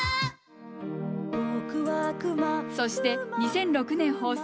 そして２００６年放送